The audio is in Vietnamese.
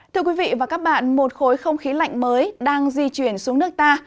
thưa quý vị và các bạn một khối không khí lạnh mới đang di chuyển xuống nước ta